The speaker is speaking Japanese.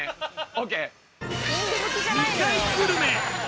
ＯＫ？